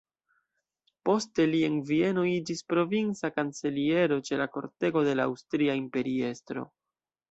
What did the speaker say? Poste li en Vieno iĝis provinca kanceliero ĉe la kortego de la aŭstria imperiestro.